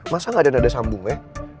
masa gak ada nada sambung ya